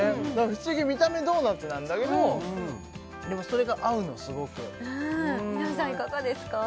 不思議見た目ドーナツなんだけどでもそれが合うのすごく南さんいかがですか？